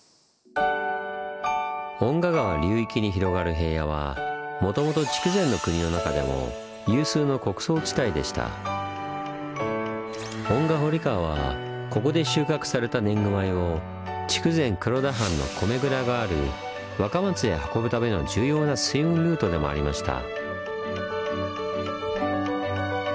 遠賀川流域に広がる平野はもともと遠賀堀川はここで収穫された年貢米を筑前黒田藩の米蔵がある若松へ運ぶための重要な水運ルートでもありました。